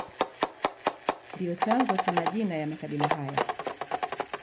Ndio chanzo cha majina ya makabila haya